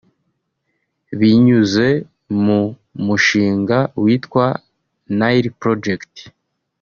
Binyuze mu mushinga witwa Nile Project